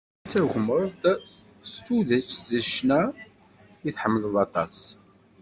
Ttagmeɣ-d s tuget seg ccna i ḥemmleɣ aṭas.